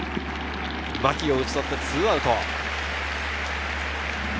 牧を打ち取って２アウト。